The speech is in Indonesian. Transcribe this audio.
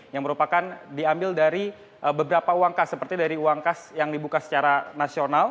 yang merupakan diambil dari beberapa uang kas seperti dari uang kas yang dibuka secara nasional